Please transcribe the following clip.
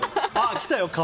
来たよ、皮。